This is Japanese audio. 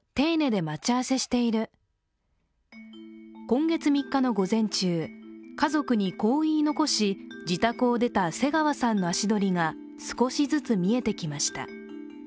今月３日の午前中、家族にこう言い残し自宅を出た瀬川さんの足取りが、少しずつ見えてきました。